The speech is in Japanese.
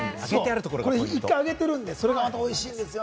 一回揚げてるんで、それがまたおいしいんです。